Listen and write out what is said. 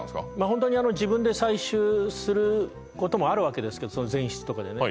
ホントにあの自分で採集することもあるわけですけど前室とかでね